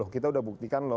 kita udah buktikan loh